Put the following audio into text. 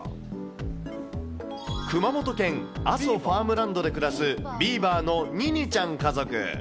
熊本県阿蘇ファームランドで暮らす、ビーバーのニニちゃん家族。